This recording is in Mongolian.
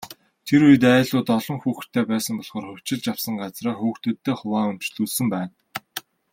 Тэр үед, айлууд олон хүүхэдтэй байсан болохоор хувьчилж авсан газраа хүүхдүүддээ хуваан өмчлүүлсэн байна.